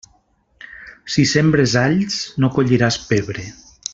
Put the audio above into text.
Si sembres alls, no colliràs pebre.